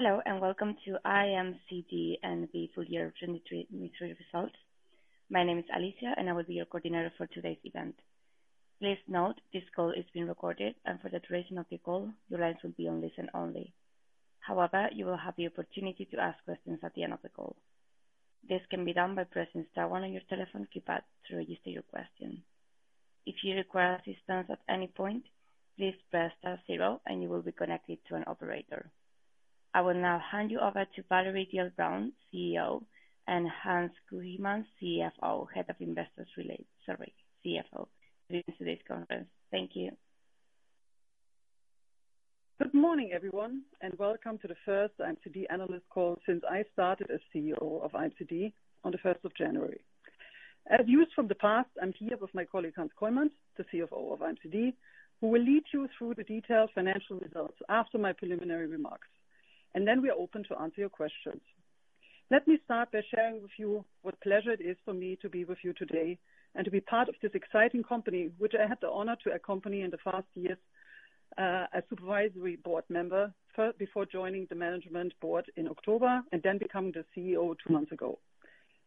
Hello and welcome to IMCD and the full year of 2023 results. My name is Alicia, and I will be your coordinator for today's event. Please note, this call is being recorded, and for the duration of the call, your lines will be on listen only. However, you will have the opportunity to ask questions at the end of the call. This can be done by pressing star one on your telephone keypad to register your question. If you require assistance at any point, please press star zero, and you will be connected to an operator. I will now hand you over to Valerie Diele-Braun, CEO, and Hans Kooijmans, CFO, during today's conference. Thank you. Good morning, everyone, and welcome to the first IMCD analyst call since I started as CEO of IMCD on the 1st of January. As used from the past, I'm here with my colleague Hans Kooijmans, the CFO of IMCD, who will lead you through the detailed financial results after my preliminary remarks, and then we are open to answer your questions. Let me start by sharing with you what pleasure it is for me to be with you today and to be part of this exciting company, which I had the honor to accompany in the past years as supervisory board member before joining the management board in October and then becoming the CEO two months ago.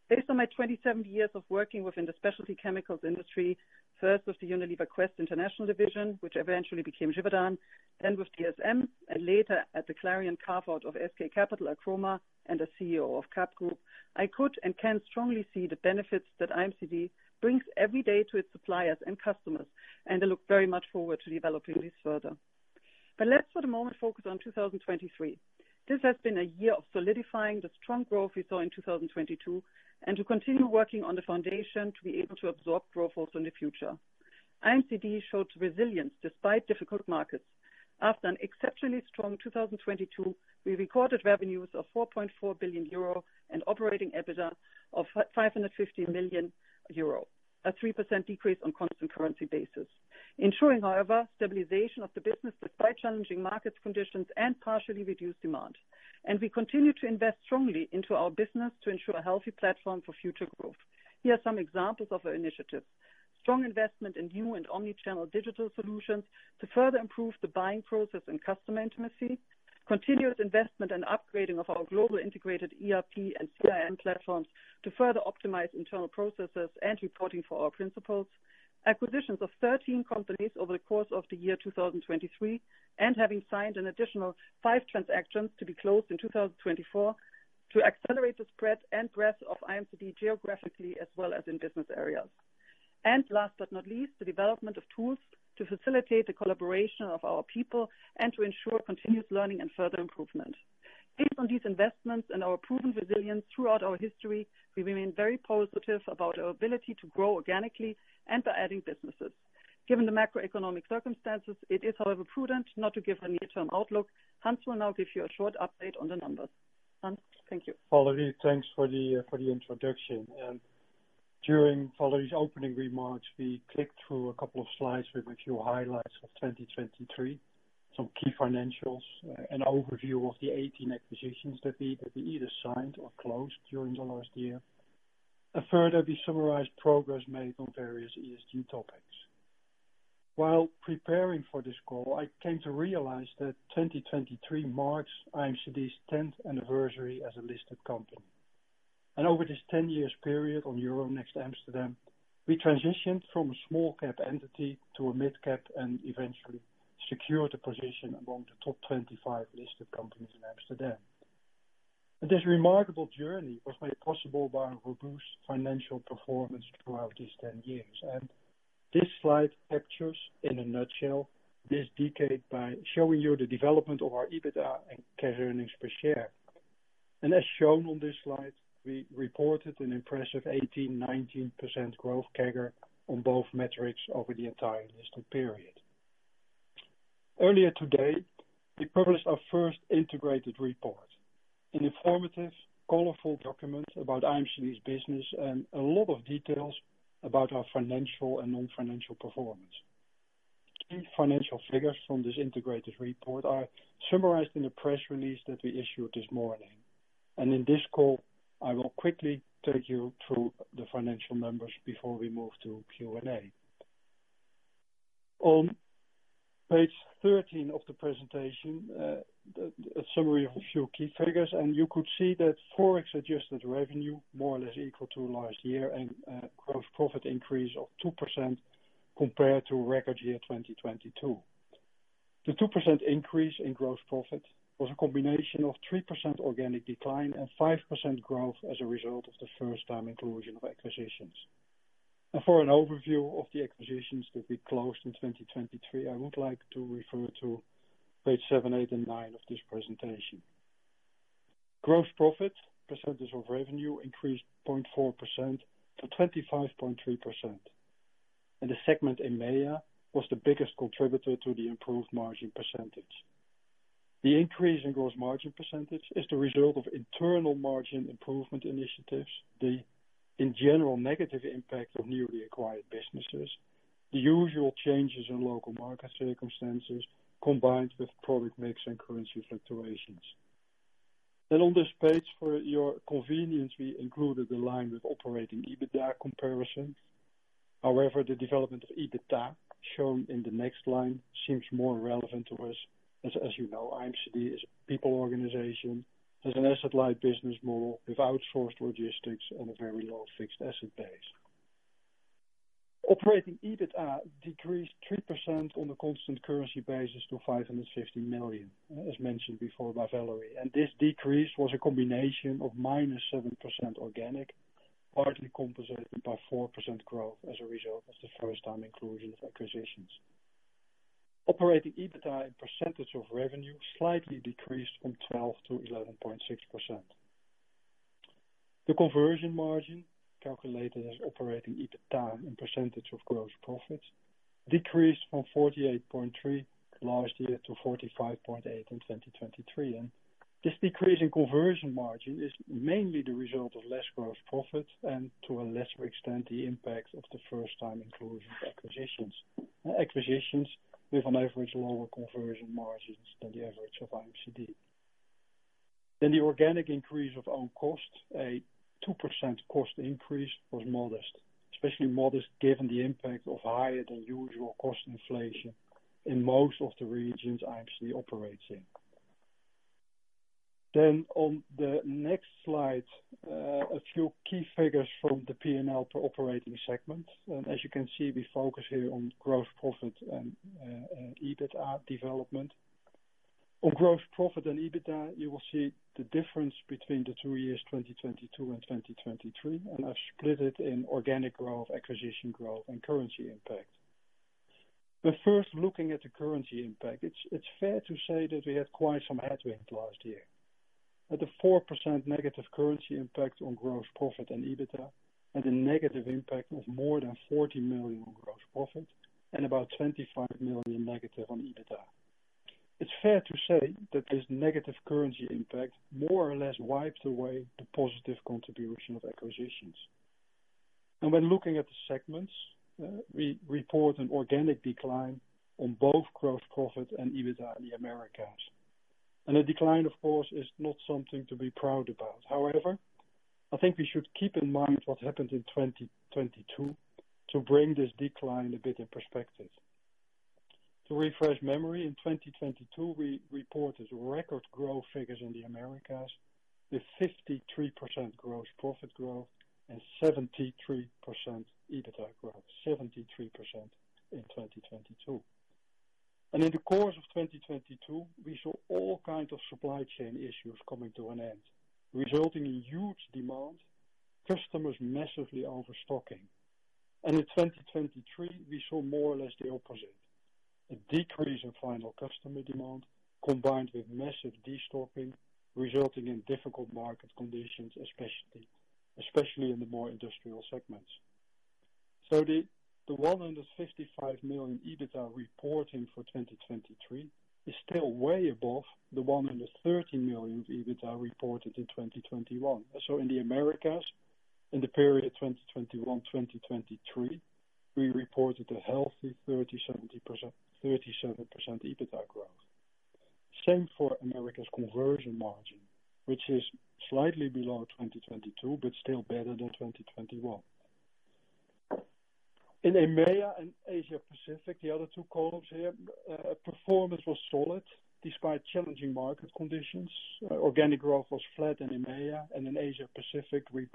Based on my 27 years of working within the specialty chemicals industry, first with the Unilever Quest International division, which eventually became Givaudan, then with DSM, and later at Clariant of SK Capital at Archroma and as CEO of CABB Group, I could and can strongly see the benefits that IMCD brings every day to its suppliers and customers, and I look very much forward to developing this further. Let's, for the moment, focus on 2023. This has been a year of solidifying the strong growth we saw in 2022 and to continue working on the foundation to be able to absorb growth also in the future. IMCD showed resilience despite difficult markets. After an exceptionally strong 2022, we recorded revenues of 4.4 billion euro and operating EBITDA of 550 million euro, a 3% decrease on constant currency basis. Ensuring, however, stabilization of the business despite challenging market conditions and partially reduced demand. We continue to invest strongly into our business to ensure a healthy platform for future growth. Here are some examples of our initiatives: strong investment in new and omnichannel digital solutions to further improve the buying process and customer intimacy. Continuous investment and upgrading of our global integrated ERP and CRM platforms to further optimize internal processes and reporting for our principals. Acquisitions of 13 companies over the course of the year 2023. And having signed an additional five transactions to be closed in 2024 to accelerate the spread and breadth of IMCD geographically as well as in business areas. Last but not least, the development of tools to facilitate the collaboration of our people and to ensure continuous learning and further improvement. Based on these investments and our proven resilience throughout our history, we remain very positive about our ability to grow organically and by adding businesses. Given the macroeconomic circumstances, it is, however, prudent not to give a near-term outlook. Hans will now give you a short update on the numbers. Hans, thank you. Valerie, thanks for the introduction. During Valerie's opening remarks, we clicked through a couple of slides with a few highlights of 2023, some key financials, an overview of the 18 acquisitions that we either signed or closed during the last year, a further resummarized progress made on various ESG topics. While preparing for this call, I came to realize that 2023 marks IMCD's 10th anniversary as a listed company. Over this 10-year period on Euronext Amsterdam, we transitioned from a small-cap entity to a mid-cap and eventually secured a position among the top 25 listed companies in Amsterdam. This remarkable journey was made possible by a robust financial performance throughout these 10 years. This slide captures, in a nutshell, this decade by showing you the development of our EBITDA and CAGR earnings per share. As shown on this slide, we reported an impressive 18%-19% growth CAGR on both metrics over the entire listed period. Earlier today, we published our first integrated report, an informative, colorful document about IMCD's business and a lot of details about our financial and non-financial performance. Key financial figures from this integrated report are summarized in a press release that we issued this morning. In this call, I will quickly take you through the financial numbers before we move to Q&A. On page 13 of the presentation, a summary of a few key figures, and you could see that Forex adjusted revenue more or less equal to last year and gross profit increase of 2% compared to record year 2022. The 2% increase in gross profit was a combination of 3% organic decline and 5% growth as a result of the first-time inclusion of acquisitions. For an overview of the acquisitions that we closed in 2023, I would like to refer to page seven, eight, and nine of this presentation. Gross profit percentage of revenue increased 0.4% to 25.3%. The segment in MEIA was the biggest contributor to the improved margin percentage. The increase in gross margin percentage is the result of internal margin improvement initiatives, the in general negative impact of newly acquired businesses, the usual changes in local market circumstances combined with product mix and currency fluctuations. On this page, for your convenience, we included a line with operating EBITDA comparison. However, the development of EBITDA shown in the next line seems more relevant to us as you know, IMCD is a people organization, has an asset-light business model with outsourced logistics and a very low fixed asset base. Operating EBITDA decreased 3% on a constant currency basis to 550 million, as mentioned before by Valerie. This decrease was a combination of -7% organic, partly compensated by 4% growth as a result of the first-time inclusion of acquisitions. Operating EBITDA in percentage of revenue slightly decreased from 12%-11.6%. The conversion margin calculated as operating EBITDA in percentage of gross profit decreased from 48.3% last year to 45.8% in 2023. This decrease in conversion margin is mainly the result of less gross profit and, to a lesser extent, the impact of the first-time inclusion of acquisitions, acquisitions with an average lower conversion margins than the average of IMCD. The organic increase of own cost, a 2% cost increase, was modest, especially modest given the impact of higher than usual cost inflation in most of the regions IMCD operates in. On the next slide, a few key figures from the P&L per operating segment. As you can see, we focus here on gross profit and EBITDA development. On gross profit and EBITDA, you will see the difference between the two years, 2022 and 2023, and I've split it in organic growth, acquisition growth, and currency impact. But first, looking at the currency impact, it's fair to say that we had quite some headwind last year. We had a 4% negative currency impact on gross profit and EBITDA and a negative impact of more than 40 million on gross profit and about 25 million negative on EBITDA. It's fair to say that this negative currency impact more or less wiped away the positive contribution of acquisitions. When looking at the segments, we report an organic decline on both gross profit and EBITDA in the Americas. A decline, of course, is not something to be proud about. However, I think we should keep in mind what happened in 2022 to bring this decline a bit in perspective. To refresh memory, in 2022, we reported record growth figures in the Americas with 53% gross profit growth and 73% EBITDA growth, 73% in 2022. In the course of 2022, we saw all kinds of supply chain issues coming to an end, resulting in huge demand, customers massively overstocking. In 2023, we saw more or less the opposite, a decrease in final customer demand combined with massive destocking, resulting in difficult market conditions, especially in the more industrial segments. The 155 million EBITDA reporting for 2023 is still way above the 113 million EBITDA reported in 2021. In the Americas, in the period 2021-2023, we reported a healthy 37% EBITDA growth. Same for Americas' conversion margin, which is slightly below 2022 but still better than 2021. In MEIA and Asia Pacific, the other two columns here, performance was solid despite challenging market conditions. Organic growth was flat in MEIA, and in Asia Pacific, we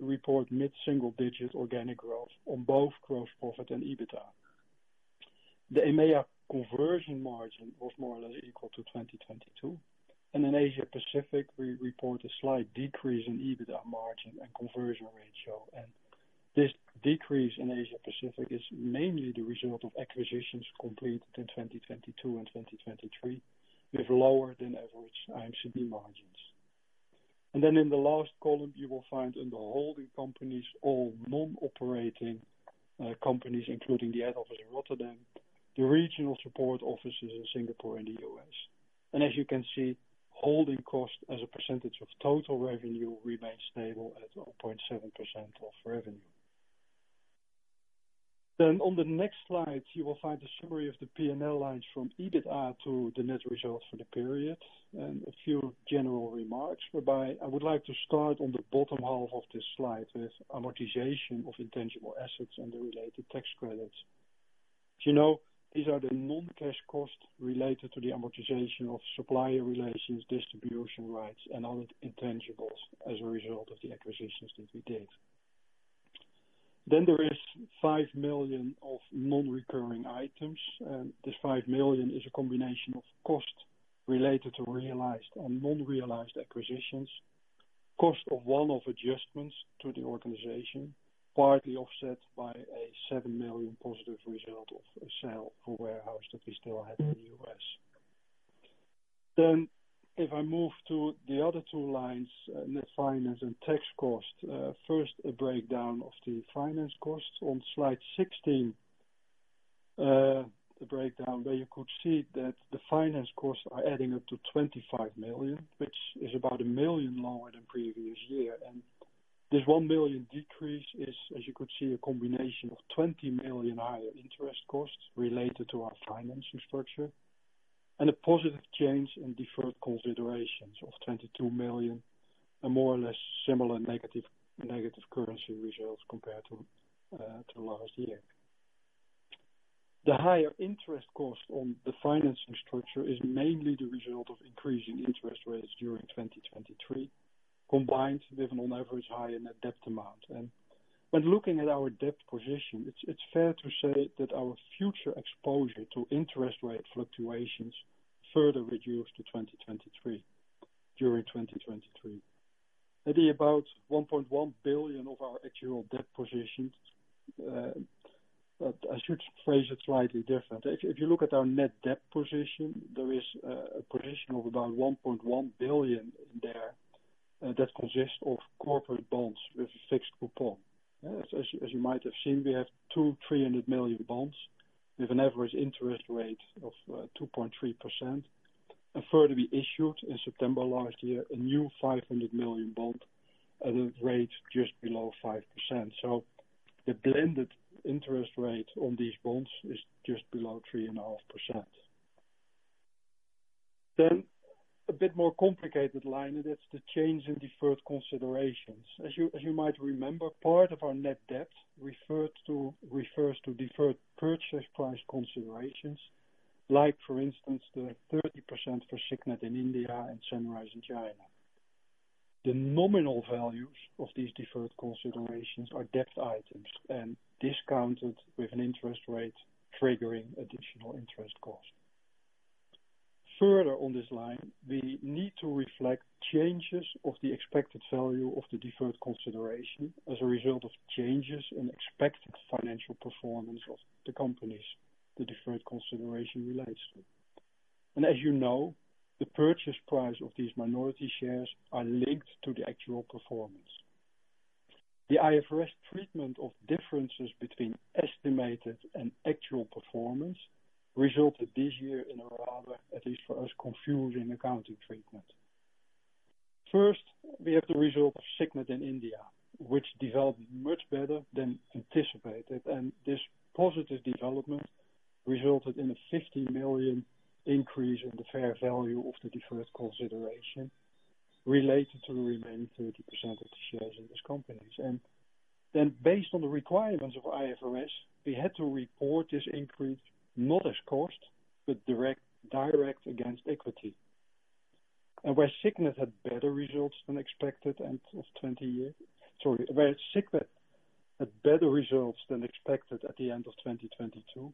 report mid-single digit organic growth on both gross profit and EBITDA. The MEIA conversion margin was more or less equal to 2022. In Asia Pacific, we report a slight decrease in EBITDA margin and conversion ratio. This decrease in Asia Pacific is mainly the result of acquisitions completed in 2022 and 2023 with lower than average IMCD margins. Then in the last column, you will find in the holding companies, all non-operating companies, including the head office in Rotterdam, the regional support offices in Singapore and the U.S. As you can see, holding cost as a percentage of total revenue remains stable at 0.7% of revenue. On the next slide, you will find a summary of the P&L lines from EBITDA to the net result for the period and a few general remarks, whereby I would like to start on the bottom half of this slide with amortization of intangible assets and the related tax credits. As you know, these are the non-cash costs related to the amortization of supplier relations, distribution rights, and other intangibles as a result of the acquisitions that we did. There is 5 million of non-recurring items. This 5 million is a combination of costs related to realized and non-realized acquisitions, cost of one-off adjustments to the organization, partly offset by a 7 million positive result of a sale of a warehouse that we still had in the U.S. Then if I move to the other two lines, net finance and tax cost, first, a breakdown of the finance costs. On slide 16, a breakdown where you could see that the finance costs are adding up to 25 million, which is about 1 million lower than previous year. And this 1 million decrease is, as you could see, a combination of 20 million higher interest costs related to our financing structure and a positive change in deferred considerations of 22 million and more or less similar negative currency results compared to last year. The higher interest cost on the financing structure is mainly the result of increasing interest rates during 2023 combined with an on average higher net debt amount. And when looking at our debt position, it's fair to say that our future exposure to interest rate fluctuations further reduced to 2023 during 2023. That's about 1.1 billion of our actual debt position, I should phrase it slightly different. If you look at our net debt position, there is a position of about 1.1 billion in there that consists of corporate bonds with a fixed coupon. As you might have seen, we have 2,300 million bonds with an average interest rate of 2.3%. Further, we issued in September last year a new 500 million bond at a rate just below 5%. So the blended interest rate on these bonds is just below 3.5%. A bit more complicated line, and that's the change in deferred considerations. As you might remember, part of our net debt refers to deferred purchase price considerations, like, for instance, the 30% for Signet in India and Sanrise in China. The nominal values of these deferred considerations are debt items and discounted with an interest rate triggering additional interest costs. Further on this line, we need to reflect changes of the expected value of the deferred consideration as a result of changes in expected financial performance of the companies the deferred consideration relates to. And as you know, the purchase price of these minority shares are linked to the actual performance. The IFRS treatment of differences between estimated and actual performance resulted this year in a rather, at least for us, confusing accounting treatment. First, we have the result of Signet in India, which developed much better than anticipated. And this positive development resulted in a 50 million increase in the fair value of the deferred consideration related to the remaining 30% of the shares in these companies. And then, based on the requirements of IFRS, we had to report this increase not as cost but direct against equity. And where Signet had better results than expected at the end of 2022,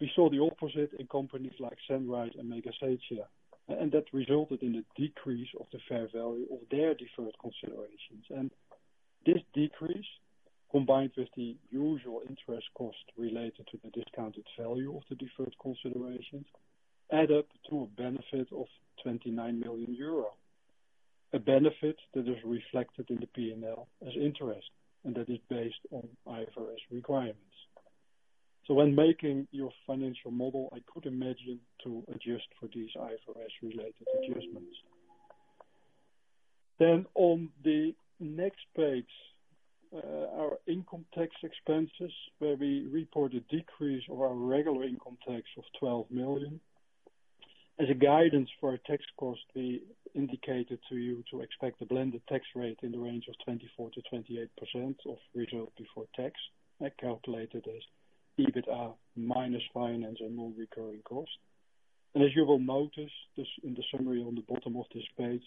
we saw the opposite in companies like Sunrise and Megasetia. And that resulted in a decrease of the fair value of their deferred considerations. And this decrease, combined with the usual interest costs related to the discounted value of the deferred considerations, added up to a benefit of 29 million euro, a benefit that is reflected in the P&L as interest and that is based on IFRS requirements. So when making your financial model, I could imagine to adjust for these IFRS-related adjustments. Then on the next page, our income tax expenses, where we report a decrease of our regular income tax of 12 million. As a guidance for our tax cost, we indicated to you to expect a blended tax rate in the range of 24%-28% of result before tax, calculated as EBITDA minus finance and non-recurring costs. As you will notice in the summary on the bottom of this page,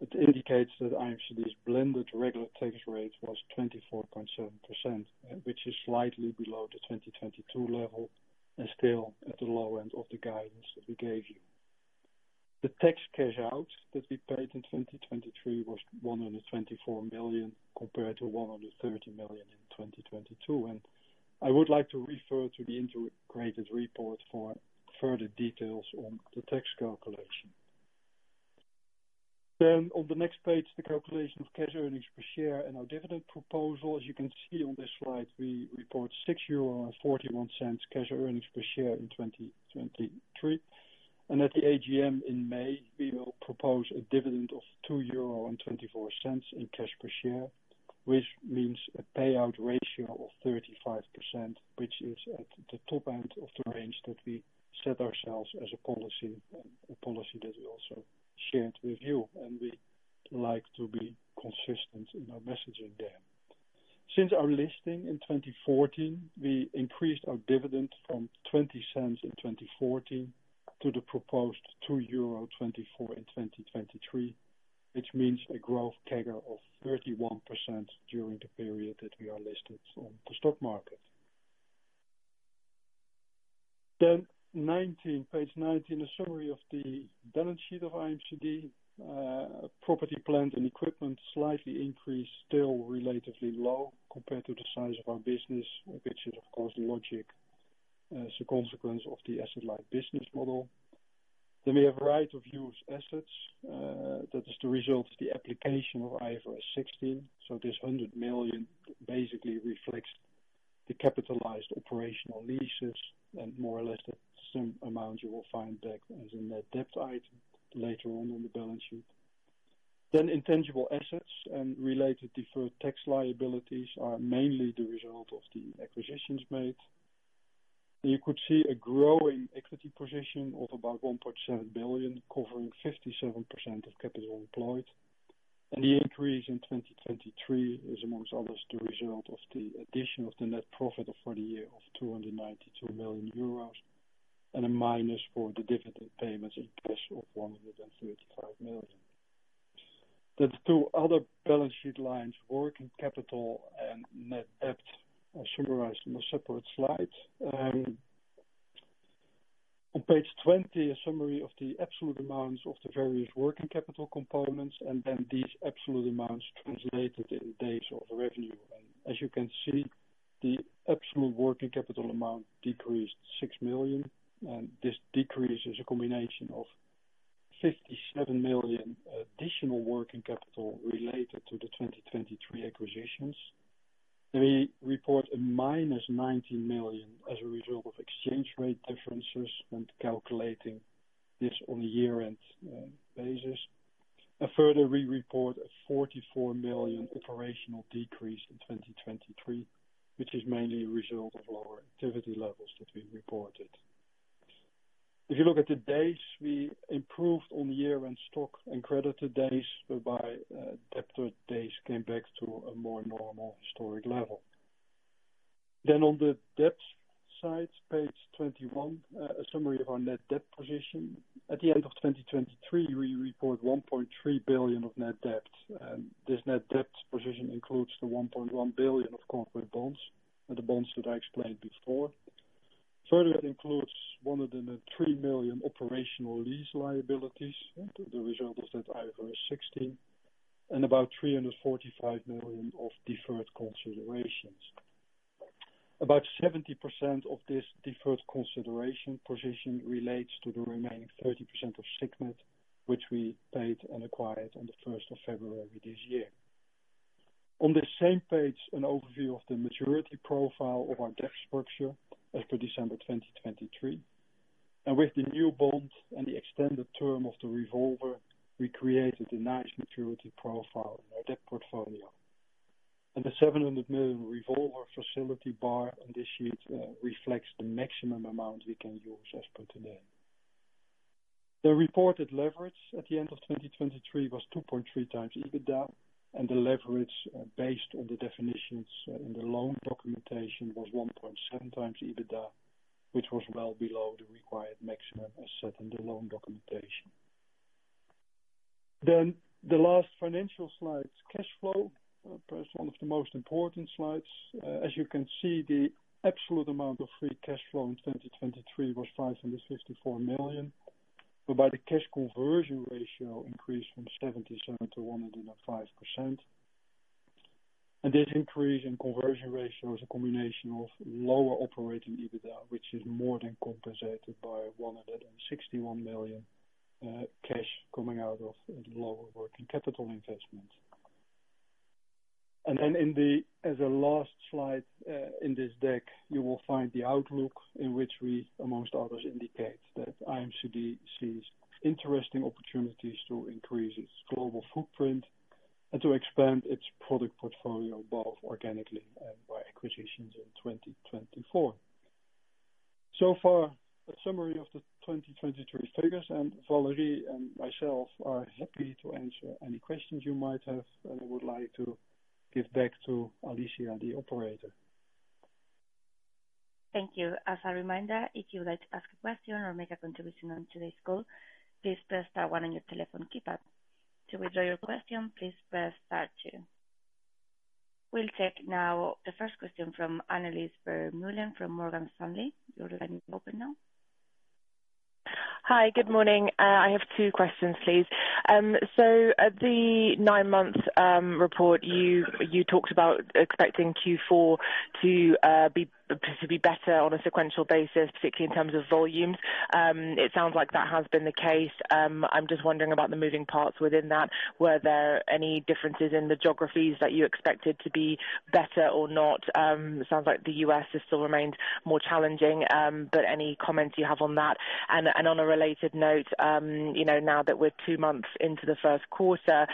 it indicates that IMCD's blended regular tax rate was 24.7%, which is slightly below the 2022 level and still at the low end of the guidance that we gave you. The tax cash out that we paid in 2023 was 124 million compared to 130 million in 2022. I would like to refer to the integrated report for further details on the tax calculation. On the next page, the calculation of cash earnings per share and our dividend proposal. As you can see on this slide, we report 6.41 euro cash earnings per share in 2023. At the AGM in May, we will propose a dividend of 2.24 euro in cash per share, which means a payout ratio of 35%, which is at the top end of the range that we set ourselves as a policy and a policy that we also shared with you. We like to be consistent in our messaging there. Since our listing in 2014, we increased our dividend from 0.20 in 2014 to the proposed 2.24 euro in 2023, which means a CAGR of 31% during the period that we are listed on the stock market. Page 19, a summary of the balance sheet of IMCD. Property, plant and equipment slightly increased, still relatively low compared to the size of our business, which is, of course, logical as a consequence of the asset-light business model. We have a variety of right-of-use assets. That is the result of the application of IFRS 16. So this 100 million basically reflects the capitalized operational leases and more or less the same amount you will find back as a net debt item later on in the balance sheet. Then intangible assets and related deferred tax liabilities are mainly the result of the acquisitions made. You could see a growing equity position of about 1.7 billion covering 57% of capital employed. And the increase in 2023 is, amongst others, the result of the addition of the net profit of for the year of 292 million euros and a minus for the dividend payments in cash of 135 million. The two other balance sheet lines, working capital and net debt, are summarized on a separate slide. On page 20, a summary of the absolute amounts of the various working capital components and then these absolute amounts translated in days of revenue. As you can see, the absolute working capital amount decreased 6 million. This decrease is a combination of 57 million additional working capital related to the 2023 acquisitions. We report a minus 19 million as a result of exchange rate differences and calculating this on a year-end basis. Further, we report a 44 million operational decrease in 2023, which is mainly a result of lower activity levels that we reported. If you look at the days, we improved on year-end stock and creditor days, whereby debtor days came back to a more normal historic level. On the debt side, page 21, a summary of our net debt position. At the end of 2023, we report 1.3 billion of net debt. This net debt position includes the 1.1 billion of corporate bonds and the bonds that I explained before. Further, it includes 103 million operational lease liabilities, the result of that IFRS 16, and about 345 million of deferred considerations. About 70% of this deferred consideration position relates to the remaining 30% of Signet, which we paid and acquired on the 1st of February this year. On this same page, an overview of the maturity profile of our debt structure as per December 2023. With the new bond and the extended term of the revolver, we created a nice maturity profile in our debt portfolio. The 700 million revolver facility shown on this sheet reflects the maximum amount we can use as per today. The reported leverage at the end of 2023 was 2.3x EBITDA. The leverage based on the definitions in the loan documentation was 1.7x EBITDA, which was well below the required maximum as set in the loan documentation. The last financial slide, cash flow, perhaps one of the most important slides. As you can see, the absolute amount of free cash flow in 2023 was 554 million, whereby the cash conversion ratio increased from 77%-105%. And this increase in conversion ratio is a combination of lower operating EBITDA, which is more than compensated by 161 million cash coming out of lower working capital investments. And then as a last slide in this deck, you will find the outlook in which we, among others, indicate that IMCD sees interesting opportunities to increase its global footprint and to expand its product portfolio both organically and by acquisitions in 2024. So far, a summary of the 2023 figures. Valerie and myself are happy to answer any questions you might have. I would like to give back to Alicia, the operator. Thank you. As a reminder, if you would like to ask a question or make a contribution on today's call, please press star one on your telephone keypad. To withdraw your question, please press star two. We'll take now the first question from Annelies Vermeulen from Morgan Stanley. Your line is open now. Hi. Good morning. I have two questions, please. So the nine-month report, you talked about expecting Q4 to be better on a sequential basis, particularly in terms of volumes. It sounds like that has been the case. I'm just wondering about the moving parts within that. Were there any differences in the geographies that you expected to be better or not? It sounds like the U.S. still remains more challenging. But any comments you have on that? And on a related note, now that we're two months into the first quarter,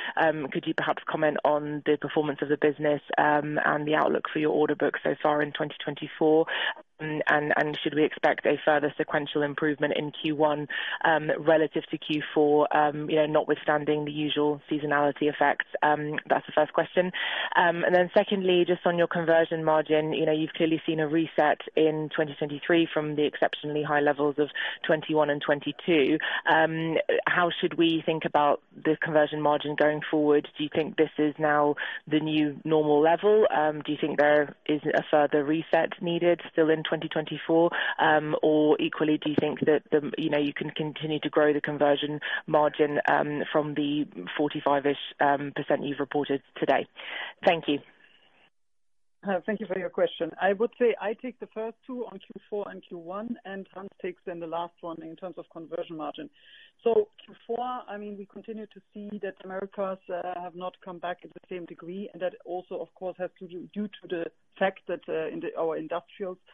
could you perhaps comment on the performance of the business and the outlook for your order book so far in 2024? And should we expect a further sequential improvement in Q1 relative to Q4, notwithstanding the usual seasonality effects? That's the first question. And then secondly, just on your conversion margin, you've clearly seen a reset in 2023 from the exceptionally high levels of 2021 and 2022. How should we think about the conversion margin going forward? Do you think this is now the new normal level? Do you think there is a further reset needed still in 2024? Or equally, do you think that you can continue to grow the conversion margin from the 45-ish% you've reported today? Thank you. Thank you for your question. I would say I take the first two on Q4 and Q1, and Hans takes then the last one in terms of conversion margin. So Q4, I mean, we continue to see that Americas have not come back at the same degree. And that also, of course, has to do due to the fact that our industrials are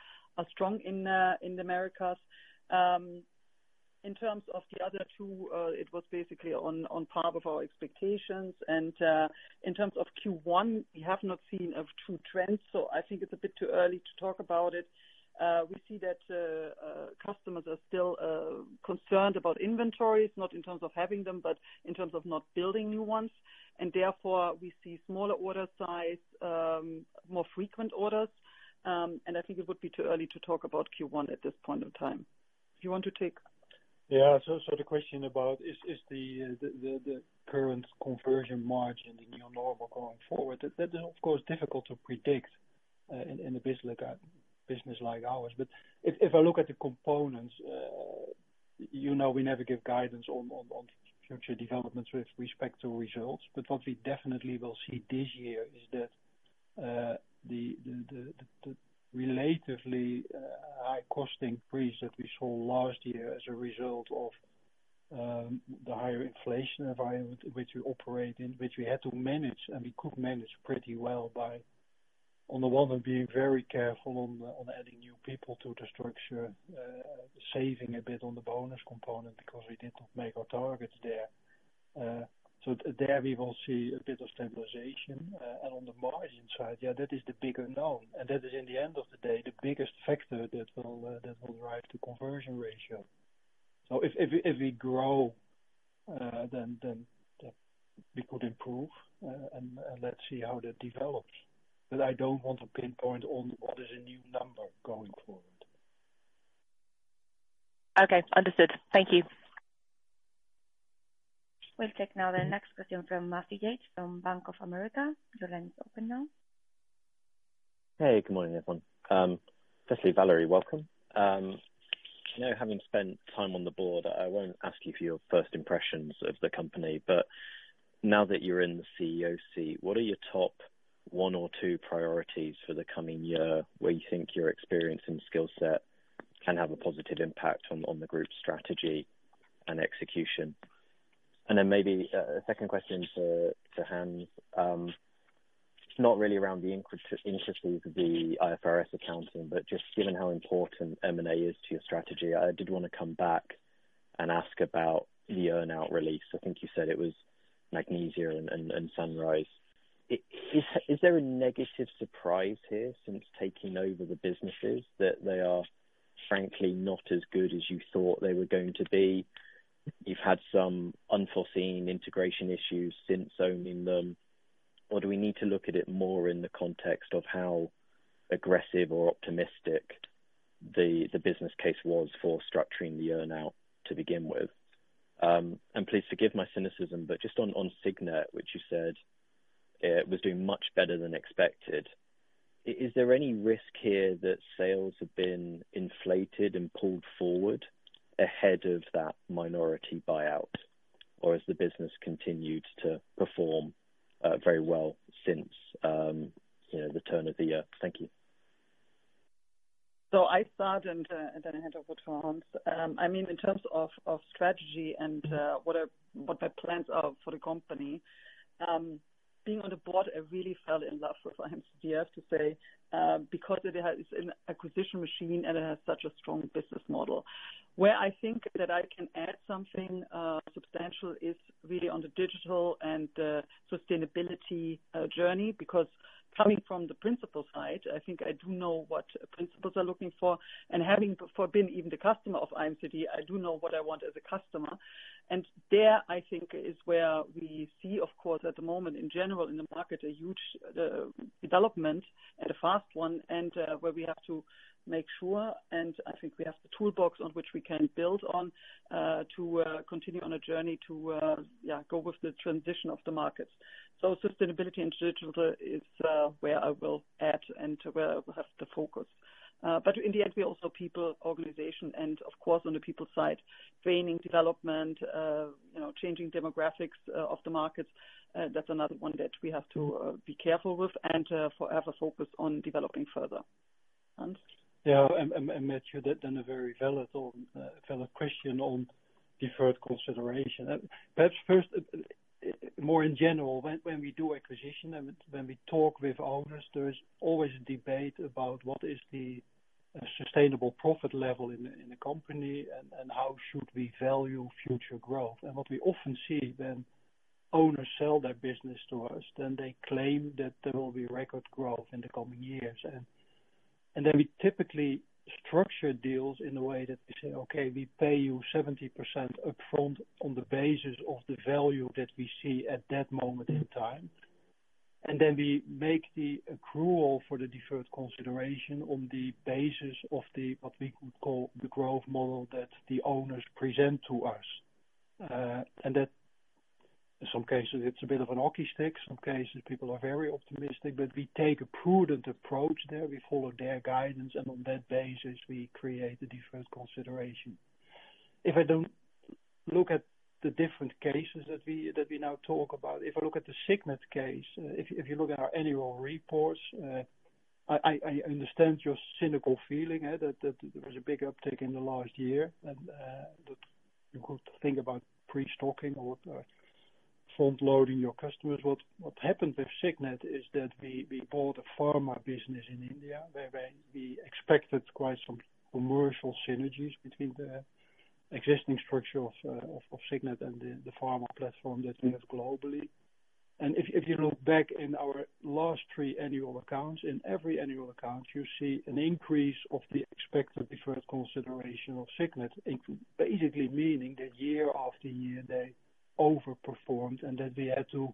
strong in Americas. In terms of the other two, it was basically on par with our expectations. And in terms of Q1, we have not seen two trends. So I think it's a bit too early to talk about it. We see that customers are still concerned about inventories, not in terms of having them, but in terms of not building new ones. And therefore, we see smaller order size, more frequent orders. And I think it would be too early to talk about Q1 at this point in time. If you want to take. Yeah. So the question about is the current conversion margin and your normal going forward, that is, of course, difficult to predict in a business like ours. But if I look at the components, we never give guidance on future developments with respect to results. But what we definitely will see this year is that the relatively high-costing increase that we saw last year as a result of the higher inflation environment which we operate in, which we had to manage and we could manage pretty well by, on the one hand, being very careful on adding new people to the structure, saving a bit on the bonus component because we did not make our targets there. So there, we will see a bit of stabilization. And on the margin side, yeah, that is the bigger known. That is, in the end of the day, the biggest factor that will drive the conversion ratio. So if we grow, then we could improve. And let's see how that develops. But I don't want to pinpoint on what is a new number going forward. Okay. Understood. Thank you. We'll take now the next question fromMatthew Yates from Bank of America. Your line is open now. Hey. Good morning, everyone. Firstly, Valerie, welcome. Now, having spent time on the board, I won't ask you for your first impressions of the company. But now that you're in the CEO seat, what are your top one or two priorities for the coming year where you think your experience and skill set can have a positive impact on the group's strategy and execution? And then maybe a second question for Hans, not really around the intricacies of the IFRS accounting, but just given how important M&A is to your strategy, I did want to come back and ask about the earnout release. I think you said it was Megasetia and Sunrise. Is there a negative surprise here since taking over the businesses that they are, frankly, not as good as you thought they were going to be? Or have you had some unforeseen integration issues since owning them? Or do we need to look at it more in the context of how aggressive or optimistic the business case was for structuring the earnout to begin with? And please forgive my cynicism, but just on Signet, which you said was doing much better than expected, is there any risk here that sales have been inflated and pulled forward ahead of that minority buyout? Or has the business continued to perform very well since the turn of the year? Thank you. So I started and then I hand over to Hans. I mean, in terms of strategy and what my plans are for the company, being on the board, I really fell in love with IMCD, I have to say, because it is an acquisition machine and it has such a strong business model. Where I think that I can add something substantial is really on the digital and the sustainability journey because coming from the principal side, I think I do know what principals are looking for. And having been even the customer of IMCD, I do know what I want as a customer. And there, I think, is where we see, of course, at the moment, in general, in the market, a huge development and a fast one and where we have to make sure. I think we have the toolbox on which we can build on to continue on a journey to, yeah, go with the transition of the markets. So sustainability and digital is where I will add and where I will have the focus. But in the end, we are also people, organization, and, of course, on the people side, training, development, changing demographics of the markets. That's another one that we have to be careful with and forever focus on developing further. Hans? Yeah. And Matthew, that's been a very valid question on deferred consideration. Perhaps first, more in general, when we do acquisition and when we talk with owners, there is always a debate about what is the sustainable profit level in the company and how should we value future growth. And what we often see when owners sell their business to us, then they claim that there will be record growth in the coming years. And then we typically structure deals in the way that we say, "Okay, we pay you 70% upfront on the basis of the value that we see at that moment in time." And then we make the accrual for the deferred consideration on the basis of what we could call the growth model that the owners present to us. And in some cases, it's a bit of a hockey stick. In some cases, people are very optimistic. But we take a prudent approach there. We follow their guidance. And on that basis, we create a deferred consideration. If I don't look at the different cases that we now talk about, if I look at the Signet case, if you look at our annual reports, I understand your cynical feeling that there was a big uptick in the last year. And you could think about prestocking or front-loading your customers. What happened with Signet is that we bought a pharma business in India where we expected quite some commercial synergies between the existing structure of Signet and the pharma platform that we have globally. If you look back in our last 3 annual accounts, in every annual account, you see an increase of the expected deferred consideration of Signet, basically meaning that year after year, they overperformed and that we had to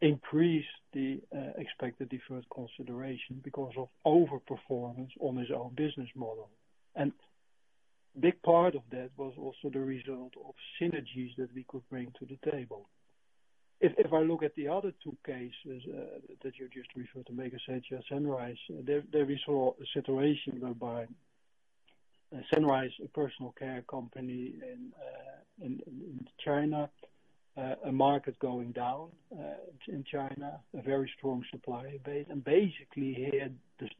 increase the expected deferred consideration because of overperformance on his own business model. A big part of that was also the result of synergies that we could bring to the table. If I look at the other two cases that you just referred to, Megasetia and Sunrise, there we saw a situation whereby Sunrise, a personal care company in China, a market going down in China, a very strong supply base. Basically, here,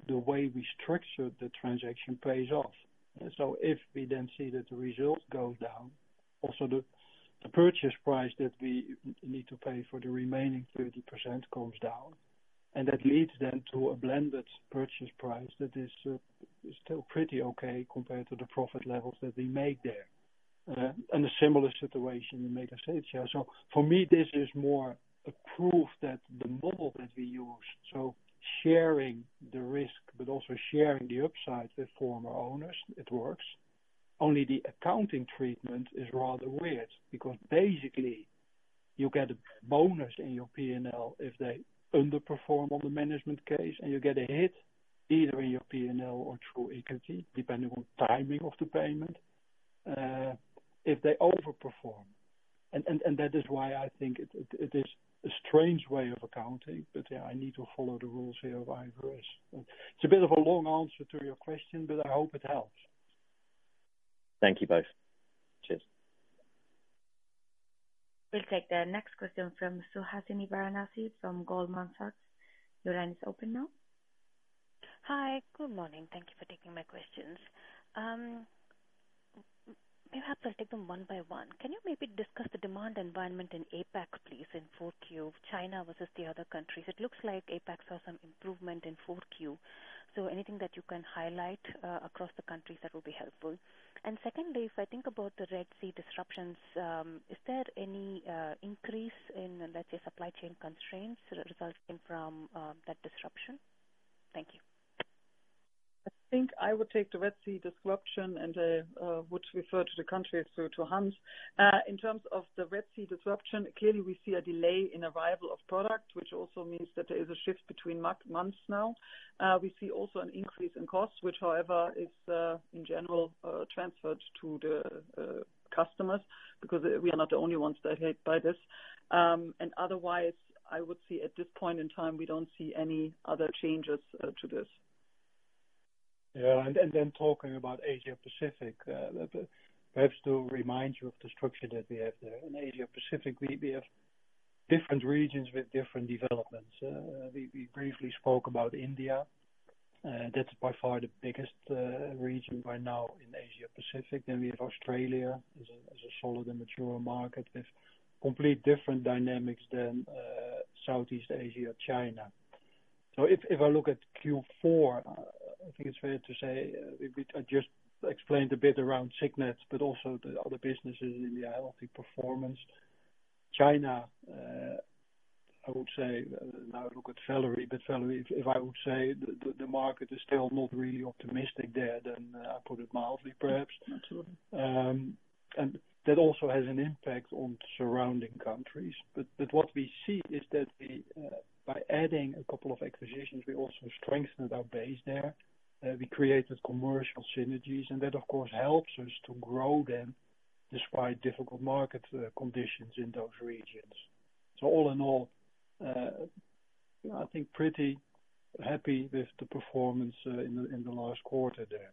the way we structured the transaction pays off. If we then see that the result goes down, also the purchase price that we need to pay for the remaining 30% comes down. That leads then to a blended purchase price that is still pretty okay compared to the profit levels that we make there. A similar situation in Megasetia. For me, this is more a proof that the model that we use, so sharing the risk but also sharing the upside with former owners, it works. Only the accounting treatment is rather weird because basically, you get a bonus in your P&L if they underperform on the management case. You get a hit either in your P&L or through equity, depending on timing of the payment, if they overperform. That is why I think it is a strange way of accounting. But yeah, I need to follow the rules here of IFRS. It's a bit of a long answer to your question, but I hope it helps. Thank you both. Cheers. We'll take the next question from Suhasini Varanasi from Goldman Sachs. Your line is open now. Hi. Good morning. Thank you for taking my questions. Maybe I'll take them one by one. Can you maybe discuss the demand environment in APAC, please, in 4Q, China versus the other countries? It looks like APAC saw some improvement in 4Q. So anything that you can highlight across the countries that will be helpful? And secondly, if I think about the Red Sea disruptions, is there any increase in, let's say, supply chain constraints resulting from that disruption? Thank you. I think I would take the Red Sea disruption and would refer to the countries to Hans. In terms of the Red Sea disruption, clearly, we see a delay in arrival of product, which also means that there is a shift between months now. We see also an increase in costs, which, however, is, in general, transferred to the customers because we are not the only ones that hit by this. And otherwise, I would see at this point in time, we don't see any other changes to this. Yeah. And then talking about Asia-Pacific, perhaps to remind you of the structure that we have there. In Asia-Pacific, we have different regions with different developments. We briefly spoke about India. That's by far the biggest region right now in Asia-Pacific. Then we have Australia as a solid and mature market with completely different dynamics than Southeast Asia, China. So if I look at Q4, I think it's fair to say I just explained a bit around Signet but also the other businesses in the healthy performance. China, I would say now I look at Valerie. But Valerie, if I would say the market is still not really optimistic there, then I put it mildly, perhaps. And that also has an impact on surrounding countries. But what we see is that by adding a couple of acquisitions, we also strengthened our base there. We created commercial synergies. That, of course, helps us to grow then despite difficult market conditions in those regions. All in all, I think pretty happy with the performance in the last quarter there.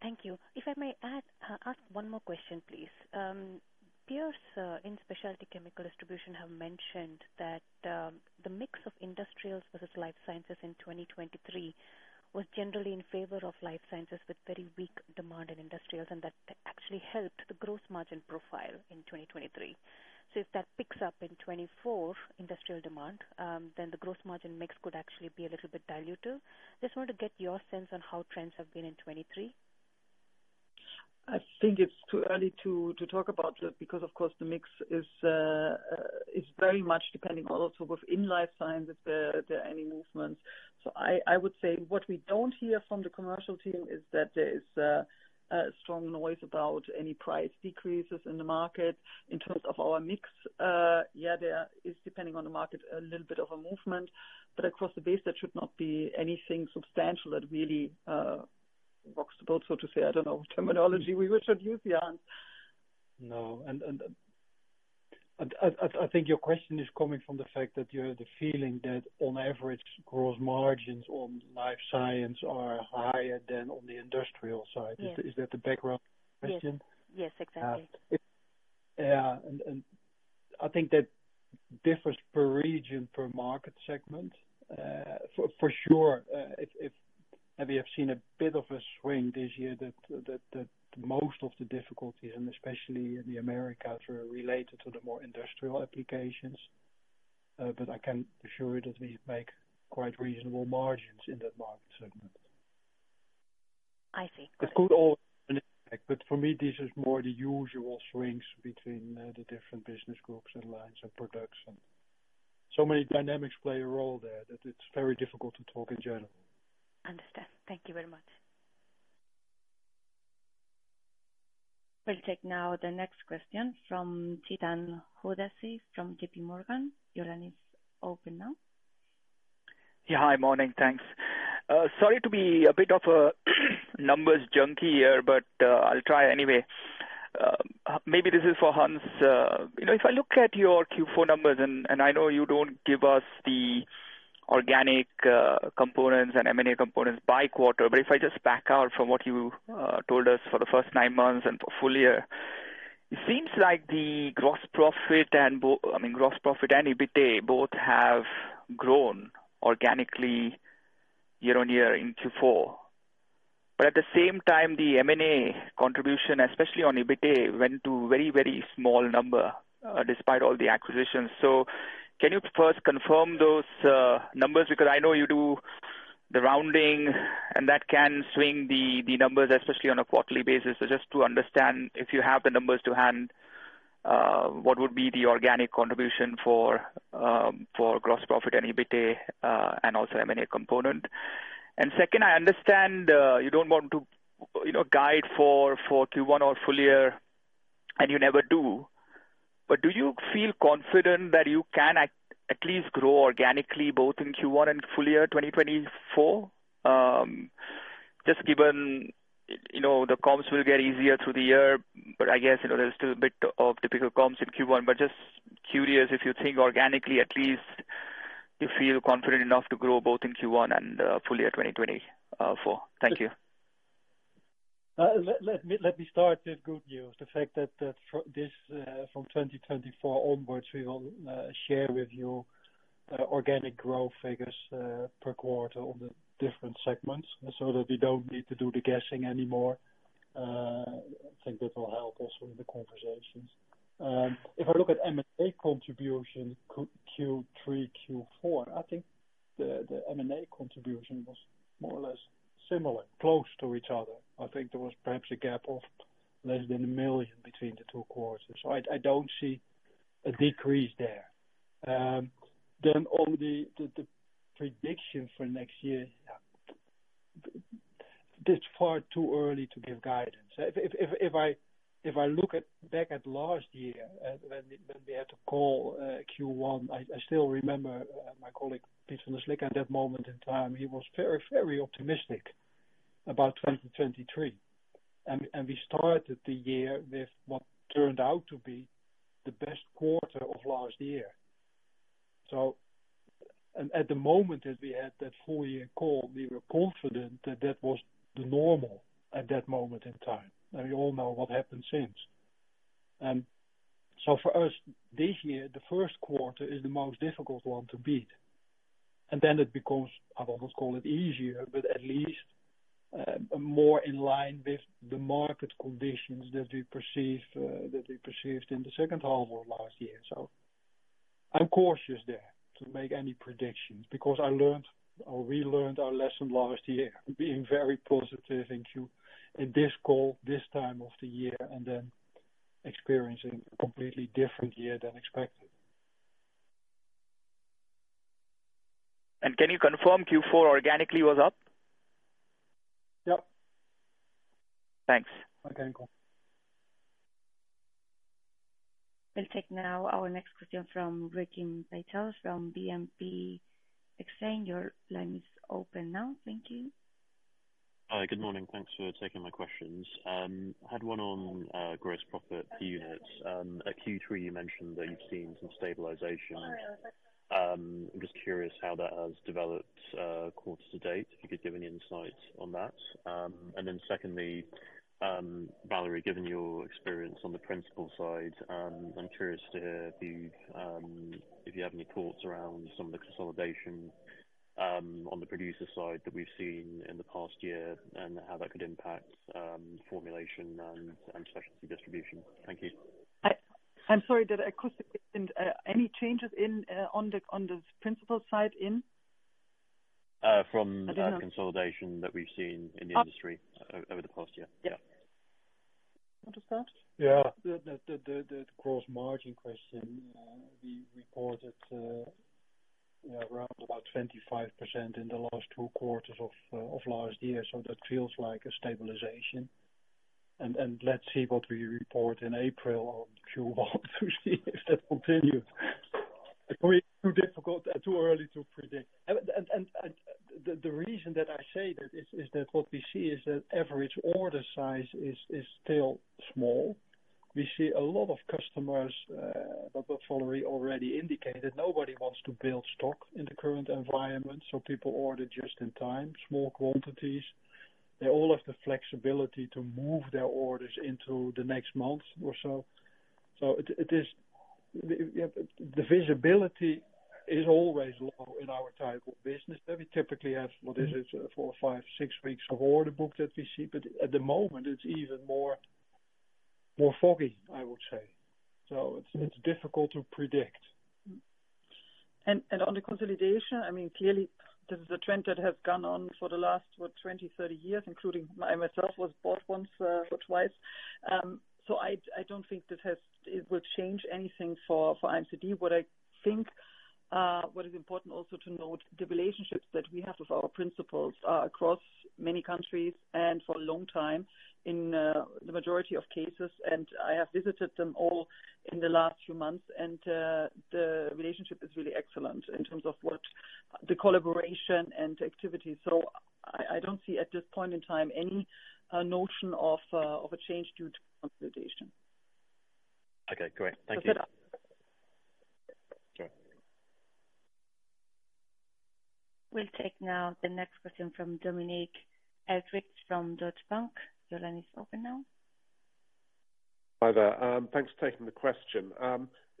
Thank you. If I may ask one more question, please. Peers in specialty chemical distribution have mentioned that the mix of industrials versus life sciences in 2023 was generally in favor of life sciences with very weak demand in industrials. That actually helped the gross margin profile in 2023. If that picks up in 2024, industrial demand, then the gross margin mix could actually be a little bit diluted. I just wanted to get your sense on how trends have been in 2023. I think it's too early to talk about that because, of course, the mix is very much depending also within life sciences where there are any movements. So I would say what we don't hear from the commercial team is that there is strong noise about any price decreases in the market. In terms of our mix, yeah, there is, depending on the market, a little bit of a movement. But across the base, there should not be anything substantial that really rocks the boat, so to say. I don't know what terminology we should use, Hans. No. And I think your question is coming from the fact that you have the feeling that, on average, gross margins on life science are higher than on the industrial side. Is that the background question? Yes. Yes. Exactly. Yeah. And I think that differs per region, per market segment. For sure, we have seen a bit of a swing this year that most of the difficulties, and especially in the Americas, were related to the more industrial applications. But I can assure you that we make quite reasonable margins in that market segment. I see. Got it. It could all have an impact. For me, this is more the usual swings between the different business groups and lines and products. So many dynamics play a role there that it's very difficult to talk in general. Understood. Thank you very much. We'll take now the next question from Chetan Udeshi from JP Morgan. Your line is open now. Yeah. Hi. Morning. Thanks. Sorry to be a bit of a numbers junkie here, but I'll try anyway. Maybe this is for Hans. If I look at your Q4 numbers, and I know you don't give us the organic components and M&A components by quarter, but if I just back out from what you told us for the first nine months and full year, it seems like the gross profit and I mean, gross profit and EBITDA both have grown organically year-on-year in Q4. But at the same time, the M&A contribution, especially on EBITDA, went to a very, very small number despite all the acquisitions. So can you first confirm those numbers? Because I know you do the rounding, and that can swing the numbers, especially on a quarterly basis. So just to understand, if you have the numbers to hand, what would be the organic contribution for gross profit and EBITDA and also M&A component? And second, I understand you don't want to guide for Q1 or full year, and you never do. But do you feel confident that you can at least grow organically both in Q1 and full year 2024? Just given the comps will get easier through the year, but I guess there's still a bit of typical comps in Q1. But just curious if you think organically, at least, you feel confident enough to grow both in Q1 and full year 2024. Thank you. Let me start with good news, the fact that from 2024 onwards, we will share with you organic growth figures per quarter on the different segments so that we don't need to do the guessing anymore. I think that will help also in the conversations. If I look at M&A contribution Q3, Q4, I think the M&A contribution was more or less similar, close to each other. I think there was perhaps a gap of less than 1 million between the two quarters. So I don't see a decrease there. Then on the prediction for next year, yeah, it's far too early to give guidance. If I look back at last year when we had to call Q1, I still remember my colleague Piet van der Slikke at that moment in time. He was very, very optimistic about 2023. We started the year with what turned out to be the best quarter of last year. At the moment that we had that full-year call, we were confident that that was the normal at that moment in time. We all know what happened since. For us, this year, the first quarter is the most difficult one to beat. Then it becomes I won't call it easier, but at least more in line with the market conditions that we perceived in the second half of last year. I'm cautious there to make any predictions because I learned or relearned our lesson last year, being very positive in this call, this time of the year, and then experiencing a completely different year than expected. Can you confirm Q4 organically was up? Yep. Thanks. Organical. We'll take now our next question from Rikin Patel from BNP Exane. Your line is open now. Thank you. Hi. Good morning. Thanks for taking my questions. I had one on gross profit per unit. At Q3, you mentioned that you've seen some stabilization. I'm just curious how that has developed quarter to date, if you could give any insights on that. And then secondly, Valerie, given your experience on the principal side, I'm curious to hear if you have any thoughts around some of the consolidation on the producer side that we've seen in the past year and how that could impact formulation and specialty distribution. Thank you. I'm sorry. Did I cross the question? Any changes on the principal side in? From the consolidation that we've seen in the industry over the past year. Yeah. Noticed that? Yeah. The gross margin question, we reported around about 25% in the last two quarters of last year. So that feels like a stabilization. And let's see what we report in April on Q1 to see if that continues. It's too early to predict. And the reason that I say that is that what we see is that average order size is still small. We see a lot of customers, but what Valerie already indicated, nobody wants to build stock in the current environment. So people order just in time, small quantities. They all have the flexibility to move their orders into the next month or so. So the visibility is always low in our type of business. We typically have what is it? four, five, six weeks of order book that we see. But at the moment, it's even more foggy, I would say. So it's difficult to predict. On the consolidation, I mean, clearly, this is a trend that has gone on for the last, what, 20, 30 years, including I myself was bought once or twice. I don't think it will change anything for IMCD. What I think what is important also to note, the relationships that we have with our principals are across many countries and for a long time in the majority of cases. I have visited them all in the last few months. The relationship is really excellent in terms of the collaboration and activities. I don't see at this point in time any notion of a change due to consolidation. Okay. Great. Thank you. That's it. Sorry. We'll take now the next question from Dominic Edridge from Deutsche Bank. Your line is open now. Hi there. Thanks for taking the question.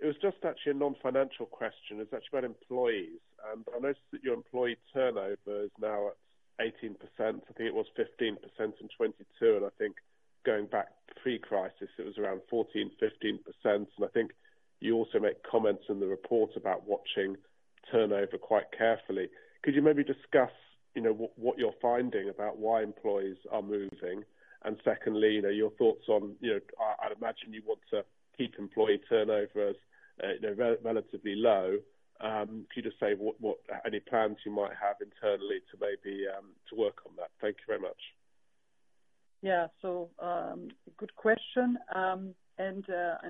It was just actually a non-financial question. It's actually about employees. I noticed that your employee turnover is now at 18%. I think it was 15% in 2022. I think going back pre-crisis, it was around 14%-15%. I think you also make comments in the report about watching turnover quite carefully. Could you maybe discuss what you're finding about why employees are moving? Secondly, your thoughts on I'd imagine you want to keep employee turnover as relatively low. Could you just say any plans you might have internally to maybe work on that? Thank you very much. Yeah. So good question.